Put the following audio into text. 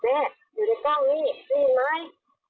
แม่อยู่ในกล้องนี่ได้ยินไหม